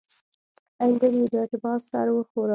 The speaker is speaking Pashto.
انډریو ډاټ باس سر وښوراوه